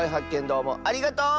どうもありがとう！